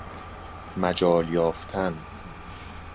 مجال یافتن